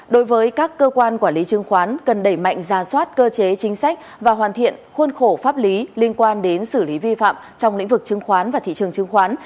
đối với các cơ quan quản lý chứng khoán cần đẩy mạnh ra soát cơ chế chính sách và hoàn thiện khuôn khổ pháp lý liên quan đến xử lý vi phạm trong lĩnh vực chứng khoán và thị trường chứng khoán